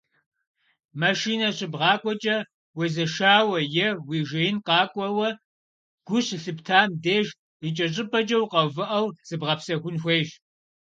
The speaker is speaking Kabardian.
Машинэ щыбгъакӏуэкӏэ, уезэшауэ е уи жеин къэкӏуауэ гу щылъыптам деж, икӏэщӏыпӏэкӏэ укъэувыӏэу, зыбгъэпсэхун хуейщ.